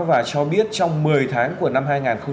và cho biết trong một mươi tháng của năm hai nghìn hai mươi